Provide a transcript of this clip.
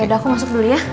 yaudah aku masuk dulu ya